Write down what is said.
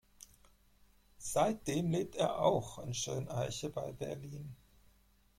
Seitdem lebt er auch in Schöneiche bei Berlin.